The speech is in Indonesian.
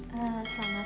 selamat siang pak